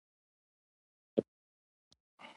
مرغه زما د کافي سره لوبه پیل کړه.